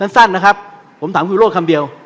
สั้นนะครับผมถามคุณวิโรธคำเดียว